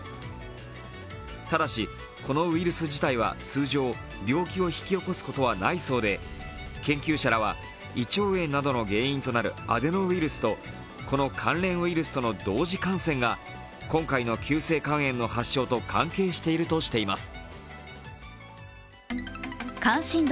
ただし、このウイルス自体は通常、病気を引き起こすことはないそうで研究者らは胃腸炎などの原因となるアデノウイルスとこの関連ウイルスとの同時感染が今回の急性肝炎の発症と関係しているとしています。